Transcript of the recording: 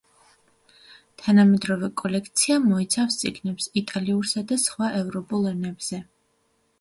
თანამედროვე კოლექცია მოიცავს წიგნებს იტალიურსა და სხვა ევროპულ ენებზე.